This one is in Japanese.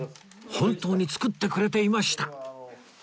本当に作ってくれていました